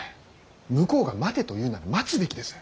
向こうが待てと言うなら待つべきです。